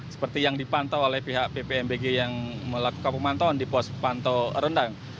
seperti yang dipantau oleh pihak ppmbg yang melakukan pemantauan di pos pantau rendang